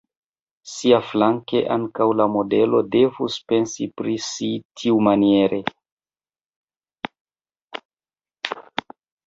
Siaflanke ankaŭ la modelo devus pensi pri si tiumaniere.